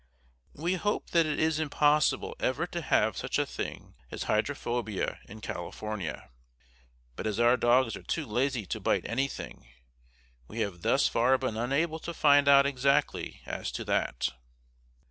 We hope that it is impossible ever to have such a thing as hydrophobia in California. But as our dogs are too lazy to bite anything, we have thus far been unable to find out exactly as to that.